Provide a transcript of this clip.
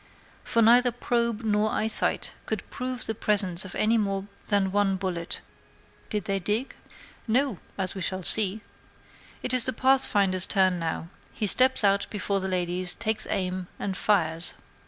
for neither probe nor eyesight could prove the presence of any more than one bullet. Did they dig? No; as we shall see. It is the Pathfinder's turn now; he steps out before the ladies, takes aim, and fires.